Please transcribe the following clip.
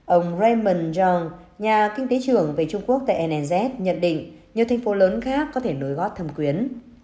ông raymond zhang nhà kinh tế trưởng về trung quốc tại anz nhận định nhiều thành phố lớn khác có thể đối gót thâm quyến